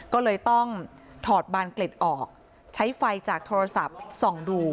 ก็เลยต้องถอดบานเกล็ดออกใช้ไฟจากโทรศัพท์ส่องดู